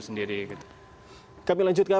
sendiri kami lanjutkan